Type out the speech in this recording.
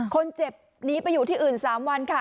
คนเจ็บหนีไปอยู่ที่อื่น๓วันค่ะ